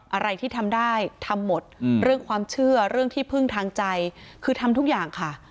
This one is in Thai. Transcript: อะไรที่ทำได้ทำหมดเรื่องความเชื่อเรื่องที่พึ่งทางใจคือทำทุกอย่างค่ะ